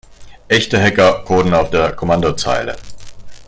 Echte Hacker coden auf der Kommandozeile.